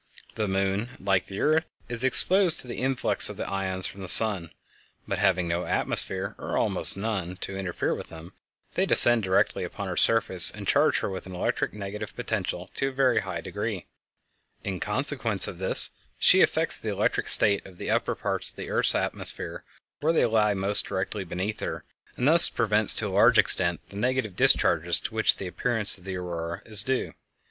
The moon, like the earth, is exposed to the influx of the ions from the sun; but having no atmosphere, or almost none, to interfere with them, they descend directly upon her surface and charge her with an electric negative potential to a very high degree. In consequence of this she affects the electric state of the upper parts of the earth's atmosphere where they lie most directly beneath her, and thus prevents, to a large extent, the negative discharges to which the appearance of the Aurora is due.